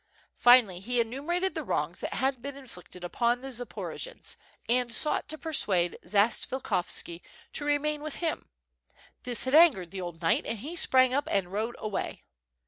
Finally, he enumer ated the wrongs that had been inflicted upon the Zaporojians, and sought to persuade Zatsvilikhovski to remain with him; this had angered the old knight and he sprang up and rode away.